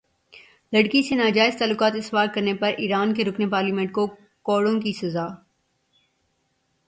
لڑکی سے ناجائز تعلقات استوار کرنے پر ایران کے رکن پارلیمنٹ کو کوڑوں کی سزا